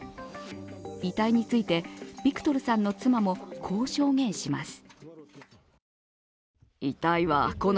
遺体について、ビクトルさんの妻もこう証言します。